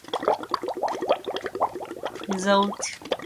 Artin's result provided a partial solution to Hilbert's ninth problem.